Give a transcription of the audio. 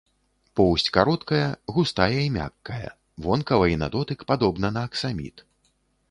Поўсць кароткая, густая і мяккая, вонкава і на дотык падобна на аксаміт.